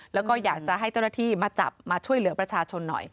แล้วก็อยากจะให้เจ้าหน้าที่มาจับมาช่วยเหลือประชาชนหน่อย